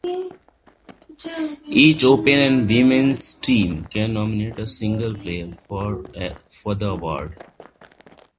Each Open and Women's team can nominate a single player for the award.